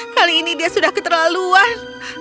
kali ini dia sudah keterlaluan